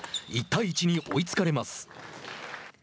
１対１に追いつかれます。